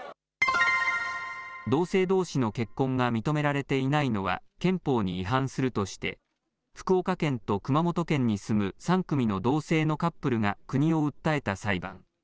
同性どうしの結婚が認められていないのは憲法に違反するとして福岡県と熊本県に住む３組の同性のカップルが国を訴えた裁判。